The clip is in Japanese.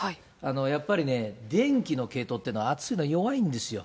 やっぱりね、電気の系統っていうのは、暑いの弱いんですよ。